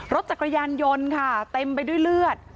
รถจักรยานยนต์ค่ะเต็มไปด้วยเลือด